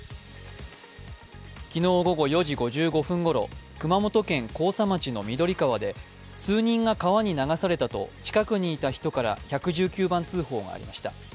昨日午後４時５５分ごろ熊本県甲佐町の緑川で数人が川に流されたと近くにいた人から１１９番通報がありました。